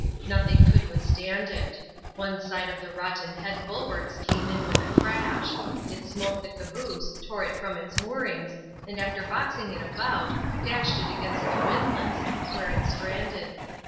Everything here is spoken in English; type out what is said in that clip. Nothing could with stand it. One side of the rotten head bulwarks came in with a crash ; it smote the caboose, tore it from its moorings, and after boxing it about, dashed it against the windlass, where it stranded.